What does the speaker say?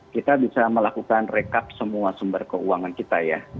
kita bisa melakukan rekap semua sumber keuangan kita ya